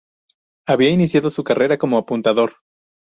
Había iniciado su carrera como apuntador.